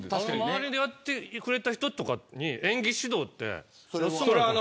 周りでやってくれた人とかに演技指導って。